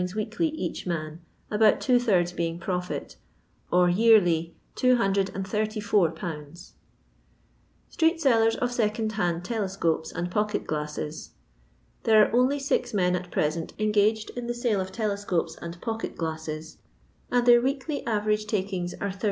weekly each man, about two thirds being profit, or early 284 0 0 StreetSdlen qf Secondhand TeUtcopes and PocketrQUuset. There are only six men at present engaged in the sale of telescopes and pocket^glasses^ and their weekly average takings are 80t.